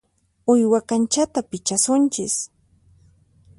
Uywa kanchata pichasunchis.